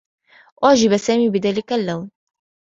أُعجب سامي بذلك اللّون.